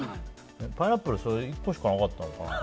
パイナップルそれ１個しかなかったのかな。